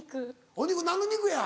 お肉何の肉や？